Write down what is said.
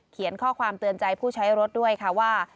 ข้อความเตือนใจผู้ใช้รถด้วยค่ะว่า